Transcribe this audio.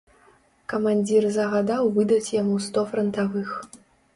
Камандзір загадаў выдаць яму сто франтавых.